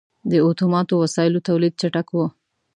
• د اتوماتو وسایلو تولید چټک و.